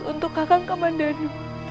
untuk kakang kaman danu